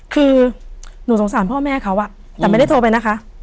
คือหนูสงสารพ่อแม่เขาแต่ไม่ได้โทรไปนะคะ